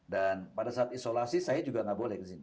dan pada saat isolasi saya juga nggak boleh ke sini